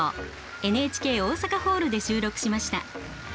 ＮＨＫ大阪ホールで収録しました。